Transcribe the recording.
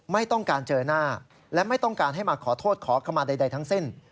ไม่ต้องการเจอหน้าและไม่ต้องการให้มาขอโทษขอขมาใดทั้งสิ้น